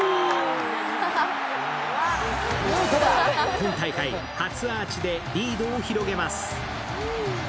今大会初アーチでリードを広げます。